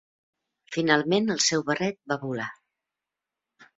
Finalment, el seu barret va volar.